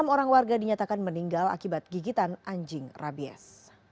enam orang warga dinyatakan meninggal akibat gigitan anjing rabies